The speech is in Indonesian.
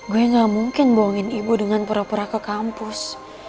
gue gak mungkin bohongin ibu dengan pura pura ke kampus